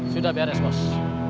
sudah biar ya bos